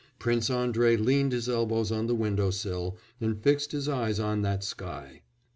Prince Andrei leaned his elbows on the window sill and fixed his eyes on that sky."